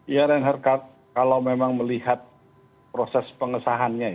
ya renhar kalau memang melihat proses pengesahannya